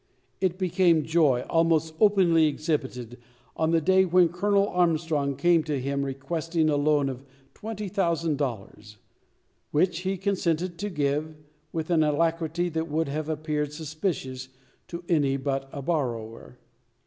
It became joy, almost openly exhibited, on the day when Colonel Armstrong came to him requesting a loan of twenty thousand dollars; which he consented to give, with an alacrity that would have appeared suspicious to any but a borrower.